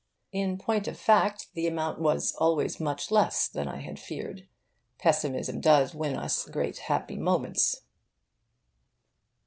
In point of fact, the amount was always much less than I had feared. Pessimism does win us great happy moments.